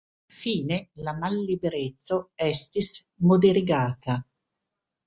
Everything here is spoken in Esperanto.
Fine la mallibereco estis moderigata.